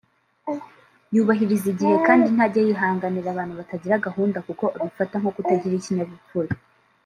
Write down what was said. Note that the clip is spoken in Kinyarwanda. yubahiriza igihe kandi ntajya yihanganira abantu batagira gahunda kuko abifata nko kutagira ikinyabupfura